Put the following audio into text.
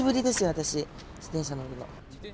私自転車乗るの。